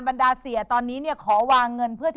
ชุดลายเสือของคุณ